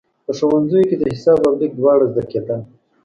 په ښوونځیو کې د حساب او لیک دواړه زده کېدل.